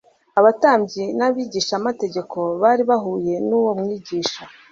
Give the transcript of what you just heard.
Abatambyi n'abigishamategeko bari bahuye nuwo mwigisha